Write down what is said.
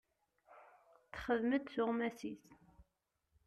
Texdem-d tuɣmas-is.